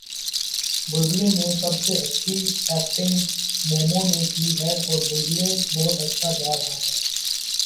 بلبلے میں سب سے اچھی ایکٹنگ مومو نے کی ہے اور بلبلے بہت اچھا جا رہا ہے